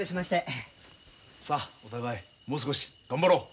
さあお互いもう少し頑張ろう。